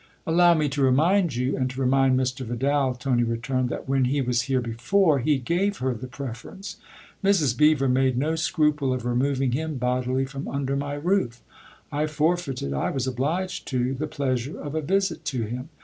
" Allow me to remind you, and to remind Mr. Vidal," Tony returned, " that when he was here before he gave her the preference. Mrs. Beever made no scruple of removing him bodily from under my roof. I forfeited I was obliged to the pleasure of a visit to him.